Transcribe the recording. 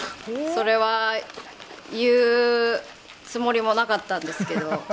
それは言うつもりもなかったんですけど。